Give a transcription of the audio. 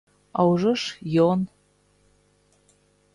А ўжо ж, ён.